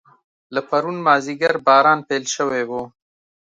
له پرون مازیګر باران پیل شوی و.